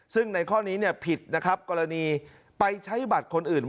ซึ่งในข้อนี้ผิดนะครับกรณีไปใช้บัตรคนอื่น